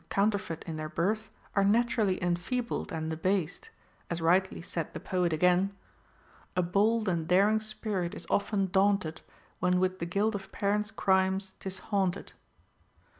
counterfeit in their birth are naturally enfeebled and de based ; as rightly said the poet again, — A bold and daring spirit is often daunted, When with the guilt of parents' crimes 'tis haunted.